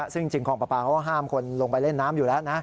ซึ่งจริงคลองประปาเขาก็ห้ามคนลงไปเล่นน้ำอยู่แล้วนะ